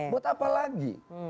buat apa lagi